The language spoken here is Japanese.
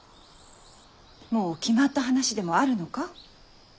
もう決まった話でもあるのか？